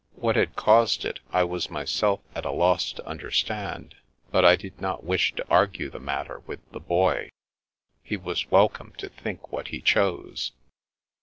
What had caused it I was myself at a loss to understand, but I did not wish to argue the matter with the Boy. He was welcome to think what he chose.